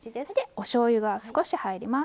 おしょうゆが少し入ります。